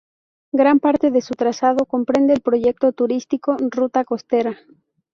Gran parte de su trazado comprende el Proyecto Turístico "Ruta Costera".